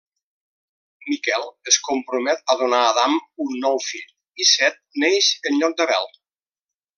Miquel es compromet donar a Adam un nou fill, i Set neix en lloc d'Abel.